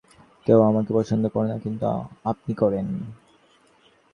কেউ আমাকে পছন্দ করে না, কিন্তু আপনি করেন।